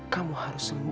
kamu harus sembuh nad